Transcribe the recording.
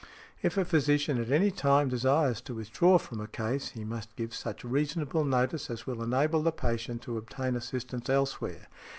If a physician at any time desires to withdraw from a case, he must give such reasonable notice as will enable the patient to obtain assistance elsewhere.